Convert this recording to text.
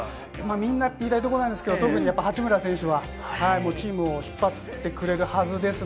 みんなと言いたいんですが、特に八村選手はチームを引っ張ってくれるはずです。